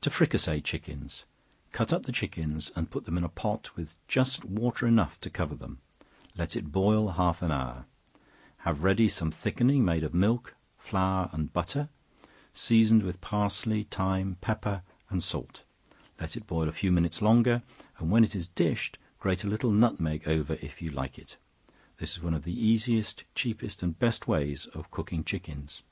To Fricassee Chickens. Cut up the chickens, and put them in a pot with just water enough to cover them; let it boil half an hour; have ready some thickening made of milk, flour, and butter, seasoned with parsley, thyme, pepper, and salt; let it boil a few minutes longer, and when it is dished, grate a little nutmeg over, if you like it. This is one of the easiest, cheapest and best ways of cooking chickens.